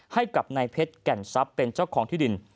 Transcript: ให้กับนายเพชรแก่นทรัพย์เป็นเจ้าของที่ดิน